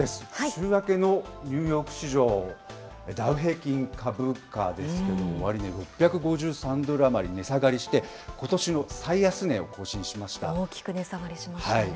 週明けのニューヨーク市場、ダウ平均株価ですけれども、終値、６５３ドル余り値下がりして、大きく値下がりしましたね。